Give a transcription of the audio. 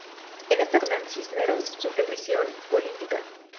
En esta ocasión el mismo Luis Fernán Cisneros sufrió prisión política.